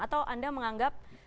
atau anda menganggap